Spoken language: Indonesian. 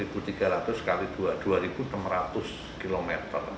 itu enam ratus km